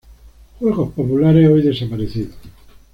Juegos populares hoy desaparecidos.